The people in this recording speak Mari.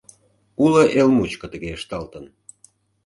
Уло эл мучко тыге ышталтын.